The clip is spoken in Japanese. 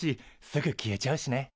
すぐ消えちゃうしね。